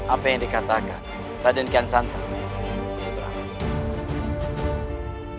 apa yang dikatakan raden kiansanta segera